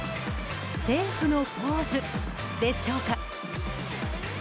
セーフのポーズでしょうか。